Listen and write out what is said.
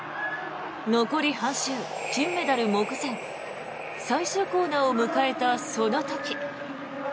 残り半周、金メダル目前最終コーナーを迎えたその時。